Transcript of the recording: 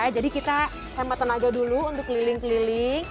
jadi kita hemat tenaga dulu untuk keliling keliling